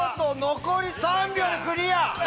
残り３秒でクリア！